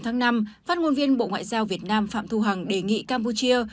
ngày năm năm phát ngôn viên bộ ngoại giao việt nam phạm thu hằng đề nghị campuchia